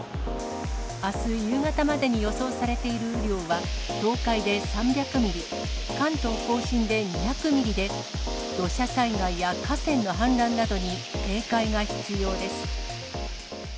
あす夕方までに予想されている雨量は、東海で３００ミリ、関東甲信で２００ミリで、土砂災害や河川の氾濫などに警戒が必要です。